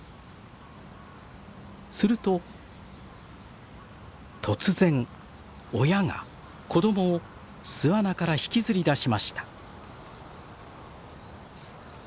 すると突然親が子供を巣穴から引きずり出しました。